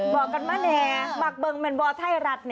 บอกกันมาแน่หมักเบิงแมนบอไทยรัฐ